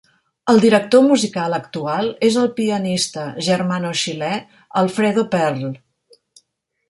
El director musical actual és el pianista germano-xilè Alfredo Perl.